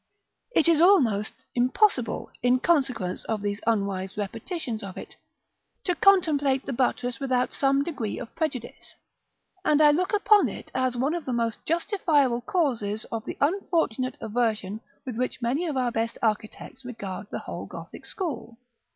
§ XII. It is almost impossible, in consequence of these unwise repetitions of it, to contemplate the buttress without some degree of prejudice; and I look upon it as one of the most justifiable causes of the unfortunate aversion with which many of our best architects regard the whole Gothic school.